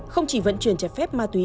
không chỉ vận chuyển trái phép ma túy